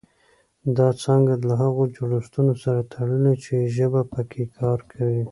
دا څانګه له هغو جوړښتونو سره تړلې چې ژبه پکې کار کوي